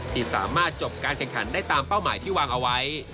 ที่สามารถจบการแข่งขันได้ตามเป้าหมายที่วางเอาไว้